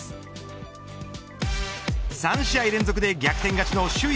３試合連続で逆転勝ちの首位